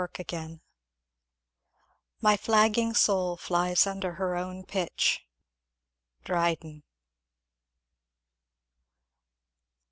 Chapter XXXVIII. My flagging soul flies under her own pitch. Dryden.